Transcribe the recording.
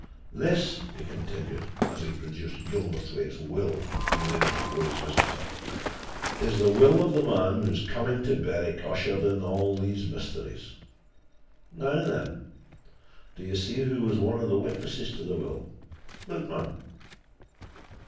This," he continued, as he produced Gilverthwaite's will, and laid it before his visitor, "is the will of the man whose coming to Berwick ushered in all these mysteries. Now, then do you see who was one of the witnesses to the will? Look, man!"